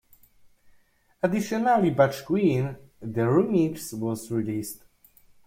Additionally, "Butch Queen: The Ru-Mixes" was released.